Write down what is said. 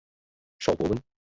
邵伯温。